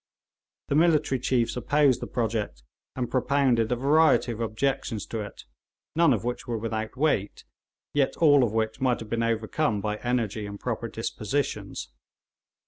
The military chiefs opposed the project, and propounded a variety of objections to it, none of which were without weight, yet all of which might have been overcome by energy and proper dispositions.